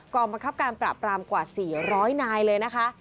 บังคับการปราบปรามกว่า๔๐๐นายเลยนะคะ